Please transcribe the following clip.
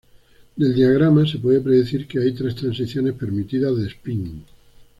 Del diagrama se puede predecir que hay tres transiciones permitidas de espín.